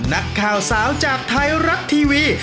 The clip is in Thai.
นักข่าวสาวจากไทยรัฐทีวี